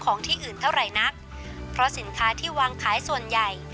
ที่อื่นเท่าไหร่นักเพราะสินค้าที่วางขายส่วนใหญ่